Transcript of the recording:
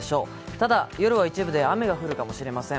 ただ夜は一部で雨が降るかもしれません。